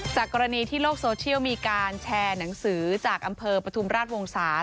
กรณีที่โลกโซเชียลมีการแชร์หนังสือจากอำเภอปฐุมราชวงศา